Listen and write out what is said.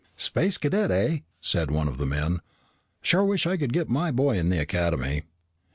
"Space Cadet, eh?" said one of the men. "Sure wish I could get my boy in the Academy."